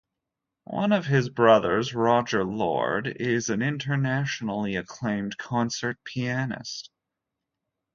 One of his brothers, Roger Lord, is an internationally acclaimed concert pianist.